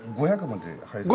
５００まで入る！